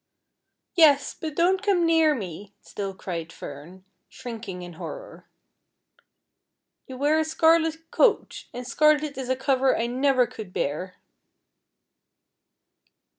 "Yes; but don't come near me," still cried Fern, shrinking in horror. "You wear a scarlet coat, and scarlet is a colour I never could bear."